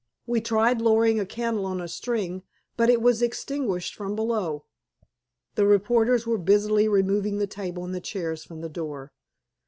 We tried lowering a candle on a string, but it was extinguished from below." The reporters were busily removing the table and chairs from the door.